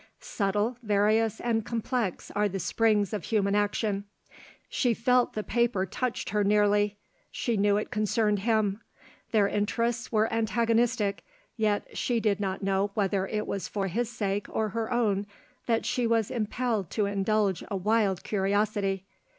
Subtle, various, and complex are the springs of human action. She felt the paper touched her nearly; she knew it concerned him. Their interests were antagonistic; yet she did not know whether it was for his sake or her own that she was impelled to indulge a wild curiosity.